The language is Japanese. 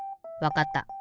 わかった。